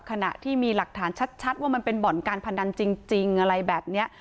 ขณะที่มีหลักฐานชัดว่ามันเป็นบ่อนการพนันจริงอะไรแบบนี้